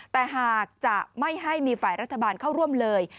แต่หากจะไม่ให้มีฝ่ายรัฐบาลเข้าร่วมเลย